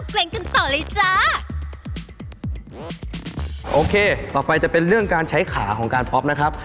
เกรงกันต่อเลยจ้าโอเคต่อไปจะเป็นเรื่องการใช้ขาของการป๊อปนะครับ